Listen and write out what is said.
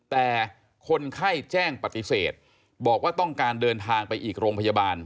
แต่คนไข้แจ้งปฏิเสธบอกว่าต้องการเดินทางไปอีกโรงพยาบาล